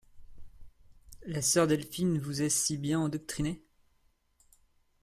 La sœur Delphine vous a si bien endoctrinée?